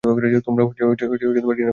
তোমরাও ডিনার করতে বসে যাও।